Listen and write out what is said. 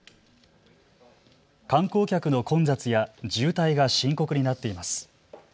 観光客の混雑や渋滞が深刻になっています。